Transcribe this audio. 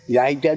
dạy trên đời